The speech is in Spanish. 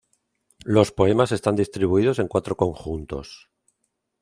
Los poemas están distribuidos en cuatro conjuntos.